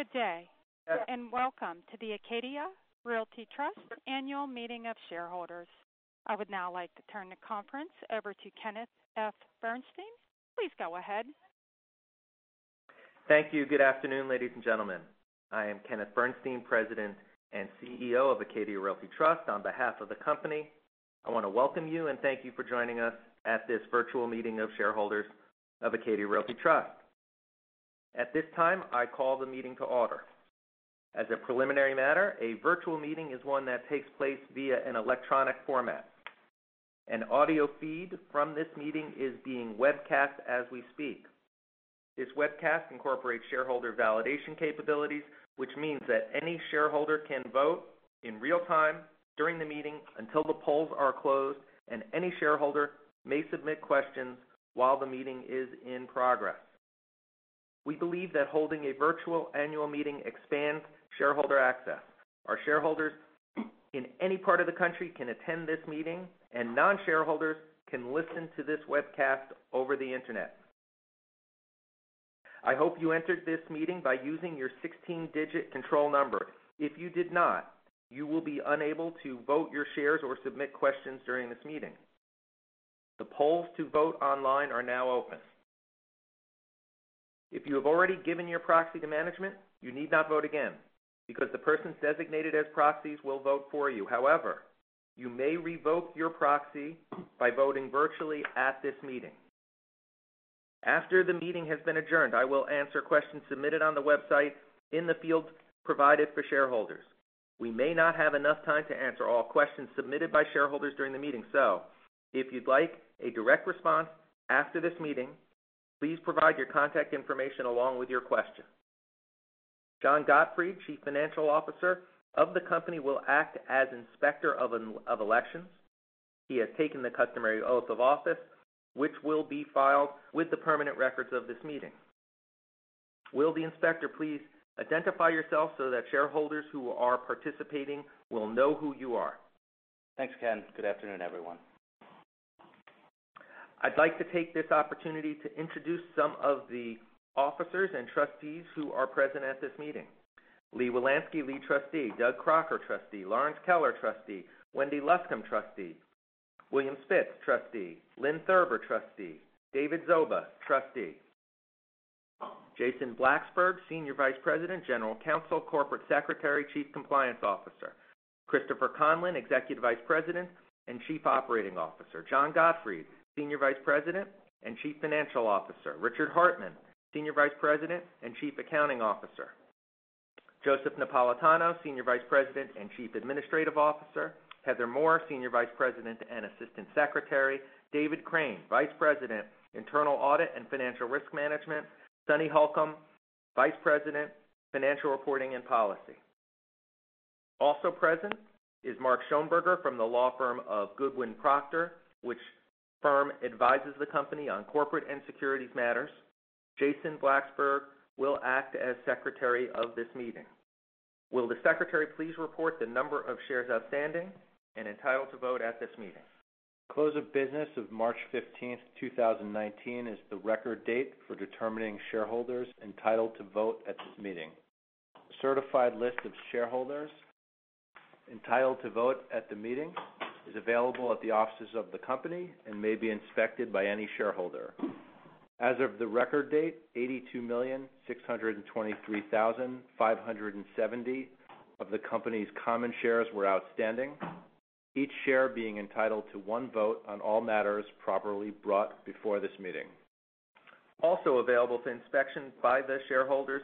Good day, and welcome to the Acadia Realty Trust Annual Meeting of Shareholders. I would now like to turn the conference over to Kenneth F. Bernstein. Please go ahead. Thank you. Good afternoon, ladies and gentlemen. I am Kenneth Bernstein, President and CEO of Acadia Realty Trust. On behalf of the company, I want to welcome you and thank you for joining us at this virtual meeting of shareholders of Acadia Realty Trust. At this time, I call the meeting to order. As a preliminary matter, a virtual meeting is one that takes place via an electronic format. An audio feed from this meeting is being webcast as we speak. This webcast incorporates shareholder validation capabilities, which means that any shareholder can vote in real time during the meeting until the polls are closed, and any shareholder may submit questions while the meeting is in progress. We believe that holding a virtual annual meeting expands shareholder access. Our shareholders in any part of the country can attend this meeting, and non-shareholders can listen to this webcast over the internet. I hope you entered this meeting by using your 16-digit control number. If you did not, you will be unable to vote your shares or submit questions during this meeting. The polls to vote online are now open. If you have already given your proxy to management, you need not vote again, because the persons designated as proxies will vote for you. However, you may revoke your proxy by voting virtually at this meeting. After the meeting has been adjourned, I will answer questions submitted on the website in the fields provided for shareholders. We may not have enough time to answer all questions submitted by shareholders during the meeting. If you'd like a direct response after this meeting, please provide your contact information along with your question. John Gottfried, Chief Financial Officer of the company, will act as Inspector of Elections. He has taken the customary oath of office, which will be filed with the permanent records of this meeting. Will the Inspector please identify yourself so that shareholders who are participating will know who you are. Thanks, Ken. Good afternoon, everyone. I'd like to take this opportunity to introduce some of the Officers and Trustees who are present at this meeting. Lee Wielansky, Lead Trustee. Doug Crocker, Trustee. Lorrence Kellar, Trustee. Wendy Luscombe, Trustee. William Spitz, Trustee. Lynn Thurber, Trustee. David Zoba, Trustee. Jason Blacksberg, Senior Vice President, General Counsel, Corporate Secretary, Chief Compliance Officer. Christopher Conlon, Executive Vice President and Chief Operating Officer. John Gottfried, Senior Vice President and Chief Financial Officer. Richard Hartmann, Senior Vice President and Chief Accounting Officer. Joseph Napolitano, Senior Vice President and Chief Administrative Officer. Heather Moore, Senior Vice President and Assistant Secretary. David Crane, Vice President, Internal Audit and Financial Risk Management. Sunny Holcomb, Vice President, Financial Reporting and Policy. Also present is Mark Schonberger from the law firm of Goodwin Procter, which firm advises the company on corporate and securities matters. Jason Blacksberg will act as Secretary of this meeting. Will the Secretary please report the number of shares outstanding and entitled to vote at this meeting. Close of business of March 15th, 2019, is the record date for determining shareholders entitled to vote at this meeting. A certified list of shareholders entitled to vote at the meeting is available at the offices of the company and may be inspected by any shareholder. As of the record date, 82,623,570 of the company's common shares were outstanding. Each share being entitled to one vote on all matters properly brought before this meeting. Also available for inspection by the shareholders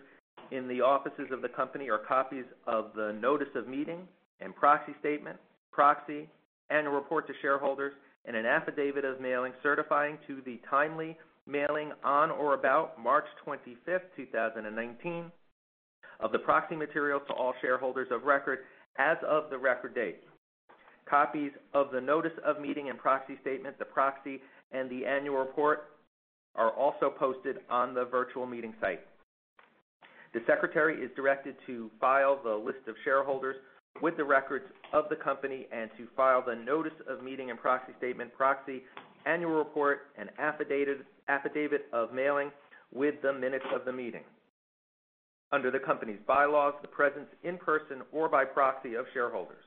in the offices of the company are copies of the notice of meeting and proxy statement, proxy, annual report to shareholders, and an affidavit of mailing certifying to the timely mailing on or about March 25th, 2019, of the proxy material to all shareholders of record as of the record date. Copies of the notice of meeting and proxy statement, the proxy, and the annual report are also posted on the virtual meeting site. The Secretary is directed to file the list of shareholders with the records of the company and to file the notice of meeting and proxy statement, proxy, annual report, and affidavit of mailing with the minutes of the meeting. Under the company's bylaws, the presence in person or by proxy of shareholders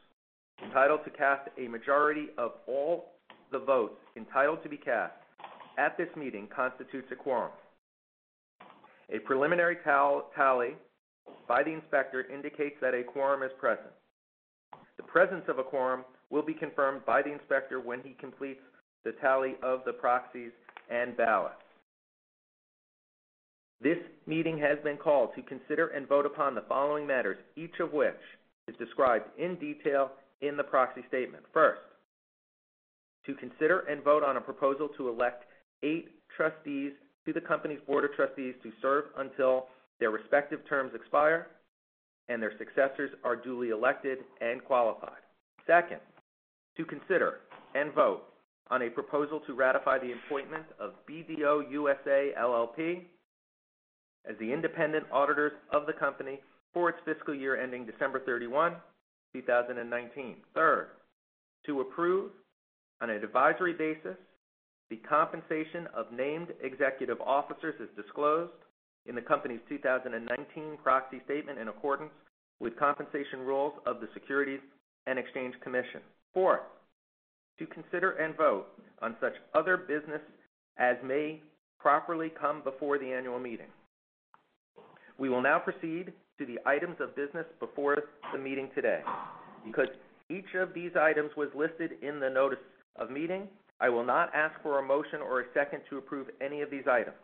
entitled to cast a majority of all the votes entitled to be cast at this meeting constitutes a quorum. A preliminary tally by the inspector indicates that a quorum is present. The presence of a quorum will be confirmed by the inspector when he completes the tally of the proxies and ballots. This meeting has been called to consider and vote upon the following matters, each of which is described in detail in the proxy statement. First, to consider and vote on a proposal to elect eight trustees to the company's board of trustees to serve until their respective terms expire and their successors are duly elected and qualified. Second, to consider and vote on a proposal to ratify the appointment of BDO USA, LLP as the independent auditors of the company for its fiscal year ending December 31, 2019. Third, to approve, on an advisory basis, the compensation of named executive officers as disclosed in the company's 2019 proxy statement in accordance with compensation rules of the Securities and Exchange Commission. Fourth, to consider and vote on such other business as may properly come before the annual meeting. We will now proceed to the items of business before the meeting today. Because each of these items was listed in the notice of meeting, I will not ask for a motion or a second to approve any of these items.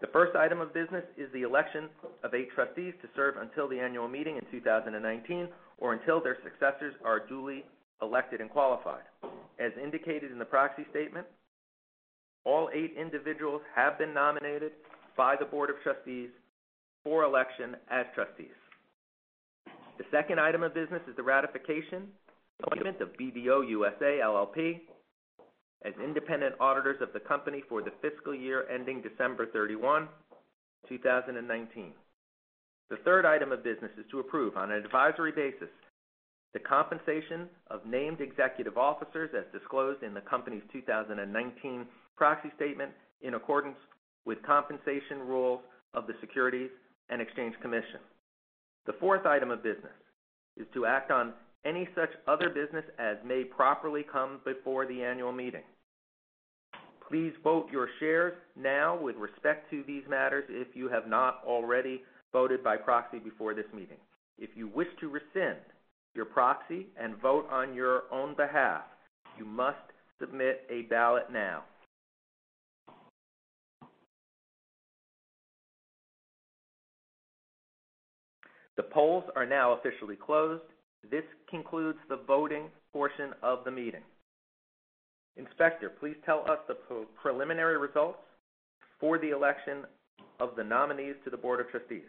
The first item of business is the election of eight trustees to serve until the annual meeting in 2019 or until their successors are duly elected and qualified. As indicated in the proxy statement, all eight individuals have been nominated by the board of trustees for election as trustees. The second item of business is the ratification appointment of BDO USA, LLP as independent auditors of the company for the fiscal year ending December 31, 2019. The third item of business is to approve, on an advisory basis, the compensation of named executive officers as disclosed in the company's 2019 proxy statement in accordance with compensation rules of the Securities and Exchange Commission. The fourth item of business is to act on any such other business as may properly come before the annual meeting. Please vote your shares now with respect to these matters if you have not already voted by proxy before this meeting. If you wish to rescind your proxy and vote on your own behalf, you must submit a ballot now. The polls are now officially closed. This concludes the voting portion of the meeting. Inspector, please tell us the preliminary results for the election of the nominees to the board of trustees.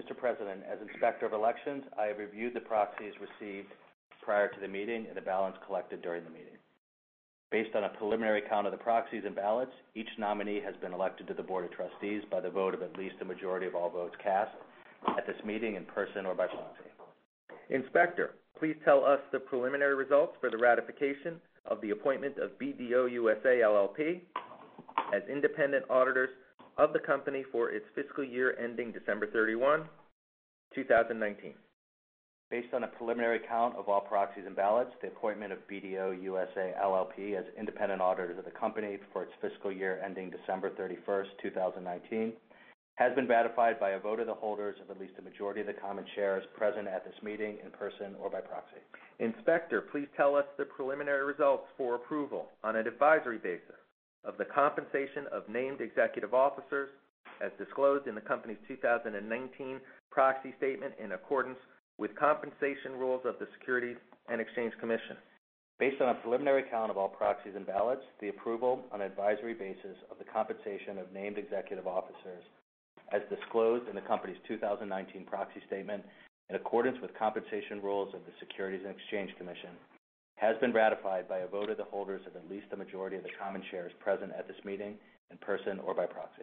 Mr. President, as inspector of elections, I have reviewed the proxies received prior to the meeting and the ballots collected during the meeting. Based on a preliminary count of the proxies and ballots, each nominee has been elected to the board of trustees by the vote of at least a majority of all votes cast at this meeting, in person or by proxy. Inspector, please tell us the preliminary results for the ratification of the appointment of BDO USA, LLP as independent auditors of the company for its fiscal year ending December 31, 2019. Based on a preliminary count of all proxies and ballots, the appointment of BDO USA, LLP as independent auditors of the company for its fiscal year ending December 31st, 2019, has been ratified by a vote of the holders of at least a majority of the common shares present at this meeting, in person or by proxy. Inspector, please tell us the preliminary results for approval, on an advisory basis, of the compensation of named executive officers as disclosed in the company's 2019 proxy statement in accordance with compensation rules of the Securities and Exchange Commission. Based on a preliminary count of all proxies and ballots, the approval, on an advisory basis, of the compensation of named executive officers as disclosed in the company's 2019 proxy statement in accordance with compensation rules of the Securities and Exchange Commission, has been ratified by a vote of the holders of at least a majority of the common shares present at this meeting, in person or by proxy.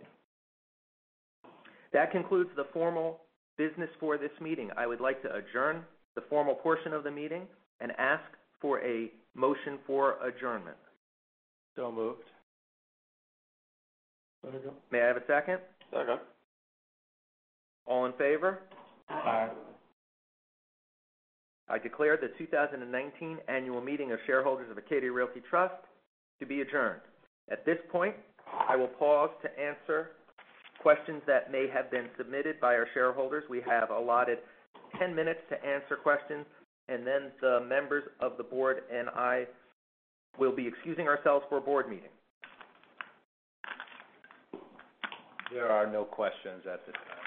That concludes the formal business for this meeting. I would like to adjourn the formal portion of the meeting and ask for a motion for adjournment. Moved. May I have a second? Second. All in favor? Aye. I declare the 2019 annual meeting of shareholders of Acadia Realty Trust to be adjourned. At this point, I will pause to answer questions that may have been submitted by our shareholders. We have allotted 10 minutes to answer questions. Then the members of the board and I will be excusing ourselves for a board meeting. There are no questions at this time.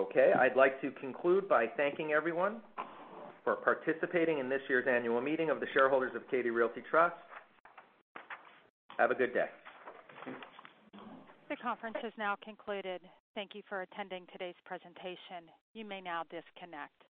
Okay. I'd like to conclude by thanking everyone for participating in this year's annual meeting of the shareholders of Acadia Realty Trust. Have a good day. This conference has now concluded. Thank you for attending today's presentation. You may now disconnect.